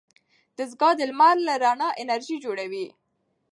دستګاه د لمر له رڼا انرژي جوړوي.